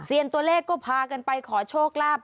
ตัวเลขก็พากันไปขอโชคลาภ